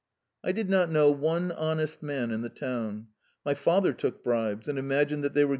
I did not know a single honest man in the whole ^v town. My father took bribes, and imagined they were